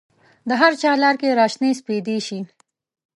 د هرچا لار کې را شنې سپیدې شي